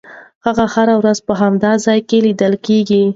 هغه هره ورځ په همدې ځای کې لیدل کېږي.